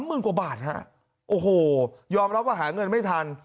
หมื่นกว่าบาทฮะโอ้โหยอมรับว่าหาเงินไม่ทัน